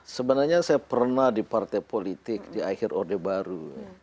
sebenarnya saya pernah di partai politik di akhir orde baru